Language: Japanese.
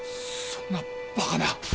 そんなバカな。